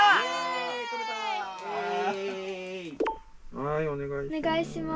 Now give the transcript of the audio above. はいおねがいします。